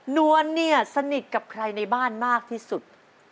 นวลเนี่ยสนิทกับใครในบ้านมากที่สุด